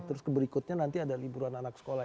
terus berikutnya nanti ada liburan anak sekolah